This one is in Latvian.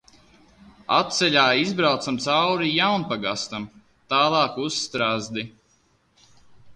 Atceļā izbraucam cauri Jaunpagastam. Tālāk uz Strazdi.